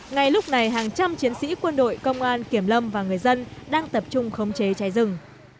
ngay lúc này hàng trăm chiến sĩ quân đội công an kiểm lâm và người dân đang tập trung khống chế cháy rừng